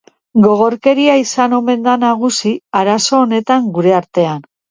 Gogorkeria izan omen da nagusi arazo honetan gure artean.